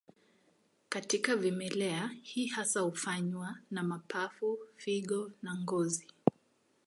Katika vimelea, hii hasa hufanywa na mapafu, figo na ngozi.